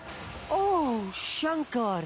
ああシャンカール。